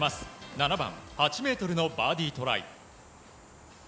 ７番、８ｍのバーディートライ。